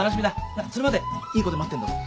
なっそれまでいい子で待ってんだぞ。